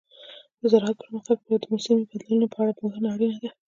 د زراعت پرمختګ لپاره د موسمي بدلونونو په اړه پوهه اړینه ده.